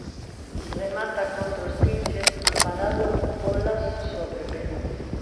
Remata contra os pinches amparado polas sobrepenas.